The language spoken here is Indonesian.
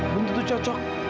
bentuk itu cocok